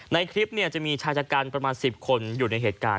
ในคลิปจะมีชายจัดการประมาณ๑๐คนอยู่ในเหตุการณ์